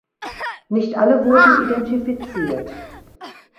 Nicht alle wurden identifiziert.